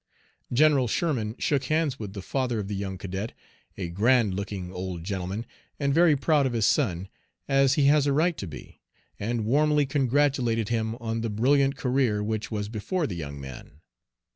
General Sherman shook hands with the father of the young cadet a grand looking old gentleman, and very proud of his son, as he has a right to be and warmly congratulated him on the brilliant career which was before the young man.